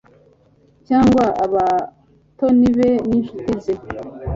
cyangwa abatoni be n'inshuti ze